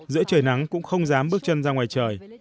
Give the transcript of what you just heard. giữa trời nắng cũng không dám bước chân ra ngoài trời